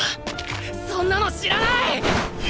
そんなの知らないッ！